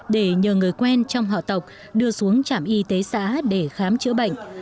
để nhờ người quen trong họ tộc đưa xuống trạm y tế xã để khám chữa bệnh